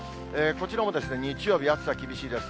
こちらも日曜日、暑さ厳しいです。